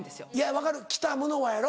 分かる来たものはやろ。